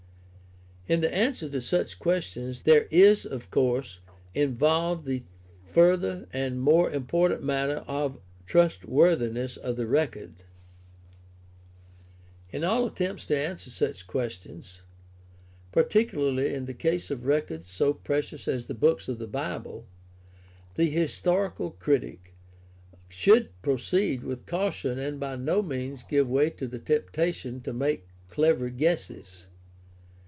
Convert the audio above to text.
In the answer to such questions there is, of course, involved the further and more important matter of the trustworthiness of the record. In all attempts to answer such questions, particularly in the case of records so precious as the books of the Bible, the historical critic should proceed with caution and by no means give way to the temptation to make clever guesses.